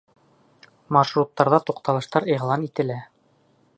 Маршруттарҙа туҡталыштар иғлан ителә.